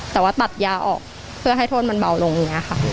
แต่ว่าตัดยาออกเพื่อให้โทษมันเบาลงอย่างนี้ค่ะ